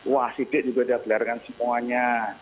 wah sidik juga sudah gelarkan semuanya